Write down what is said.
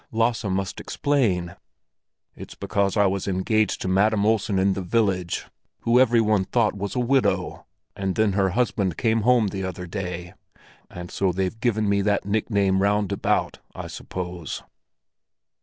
"Lasse must explain." "It's because I was engaged to Madam Olsen in the village, who every one thought was a widow; and then her husband came home the other day. And so they've given me that nickname round about, I suppose."